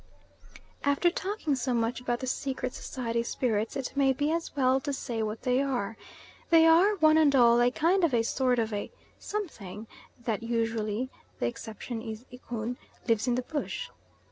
After talking so much about the secret society spirits, it may be as well to say what they are. They are, one and all, a kind of a sort of a something that usually (the exception is Ikun) lives in the bush.